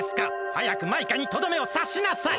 はやくマイカにとどめをさしなさい！